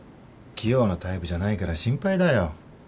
器用なタイプじゃないから心配だよ。